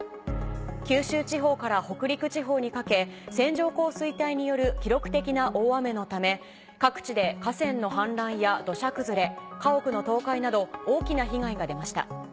九州地方から北陸地方にかけ線状降水帯による記録的な大雨のため各地で河川の氾濫や土砂崩れ家屋の倒壊など大きな被害が出ました